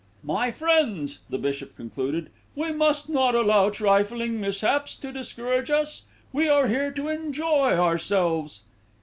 "My friends," the bishop concluded, "we must not allow trifling mishaps to discourage us. We are here to enjoy ourselves."